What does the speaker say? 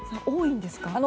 多いんですか？